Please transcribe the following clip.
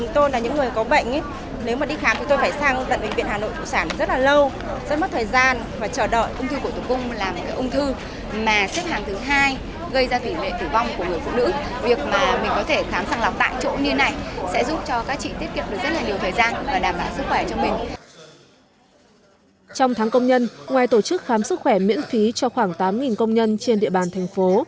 trong tháng công nhân ngoài tổ chức khám sức khỏe miễn phí cho khoảng tám công nhân trên địa bàn thành phố